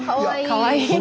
かわいい顔。